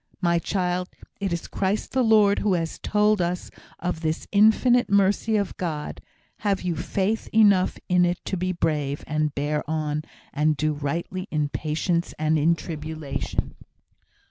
My child, it is Christ the Lord who has told us of this infinite mercy of God. Have you faith enough in it to be brave, and bear on, and do rightly in patience and in tribulation?"